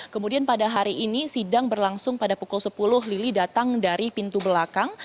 kemudian pada hari ini sidang berlangsung pada pukul sepuluh lili datang dari pintu belakang